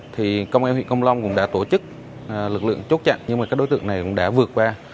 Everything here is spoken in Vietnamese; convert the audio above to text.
thì công an huyện công long cũng đã tổ chức lực lượng chốt chặn nhưng mà các đối tượng này cũng đã vượt qua